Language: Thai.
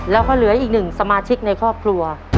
แล้วก็เหลืออีกหนึ่งสมาชิกในครอบครัว